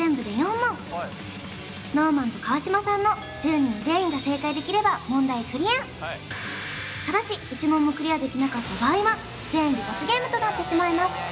ＳｎｏｗＭａｎと川島さんの１０人全員が正解できれば問題クリアただし１問もクリアできなかった場合は全員で罰ゲームとなってしまいます